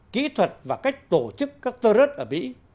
kỹ thuật và cách tổ chức các tơ rớt ở mỹ